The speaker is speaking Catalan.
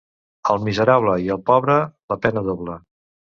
Al miserable i al pobre, la pena doble.